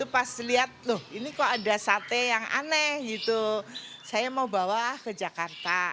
pas lihat loh ini kok ada sate yang aneh gitu saya mau bawa ke jakarta